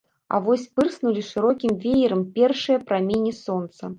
А вось пырснулі шырокім веерам першыя праменні сонца.